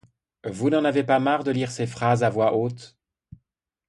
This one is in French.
Vous n'en avez pas marre de lire ces phrases à voix haute ?